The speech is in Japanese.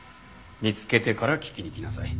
見つけてから聞きに来なさい。